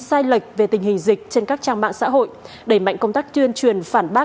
sai lệch về tình hình dịch trên các trang mạng xã hội đẩy mạnh công tác tuyên truyền phản bác